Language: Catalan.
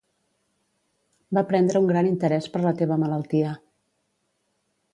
Va prendre un gran interès per la teva malaltia.